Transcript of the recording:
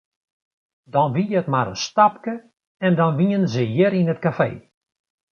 Dan wie it mar in stapke en dan wienen se hjir yn it kafee.